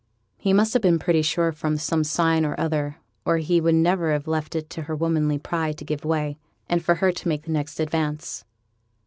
He must have been pretty sure from some sign or other, or he would never have left it to her womanly pride to give way, and for her to make the next advance.